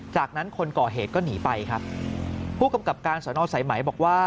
จากนั้นคนก่อเหตุก็หนีไปครับผู้กำกับการสอนอสายไหมบอกว่า